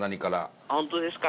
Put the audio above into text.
「あっ本当ですか？